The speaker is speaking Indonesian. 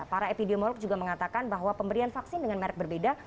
para epidemiolog juga mengatakan bahwa pemberian vaksin dengan merek berbeda